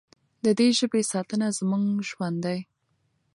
د دې ژبې ساتنه زموږ ژوند دی.